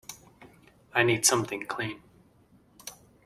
I need something clean.